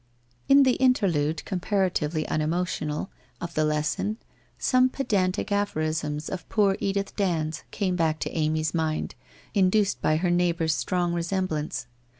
... WHITE ROSE OF WEARY LEAF 281 In the interlude, comparatively unemotional, of the Les son, some pedantic aphorisms of poor Edith Dand's came back to Amy's mind, induced by her neighbour's strong resemblance.